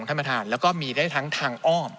ท่านประธานแล้วก็มีได้ทั้งทางอ้อม